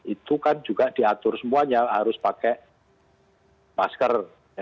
itu kan juga diatur semuanya harus pakai masker